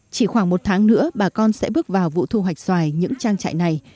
chỉ khoảng một tháng nữa bà con sẽ bước vào vụ thu hoạch xoài những trang trại này